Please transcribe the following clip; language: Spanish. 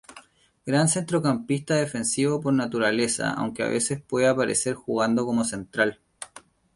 Gran centrocampista defensivo por naturaleza aunque a veces puede aparecer jugando como central.